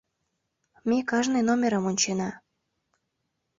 Ме кажне номерым ончена.